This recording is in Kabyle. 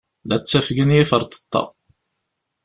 La ttafgen yiferṭeṭṭa.